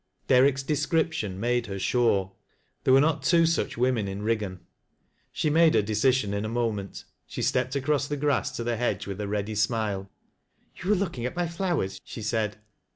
Derrick's description made her sure. There were not two such women in Eig gau. She made her decision in a moment. She stepped across the grast to the hedge with a ready smile. " You were looking at my flowers," she said.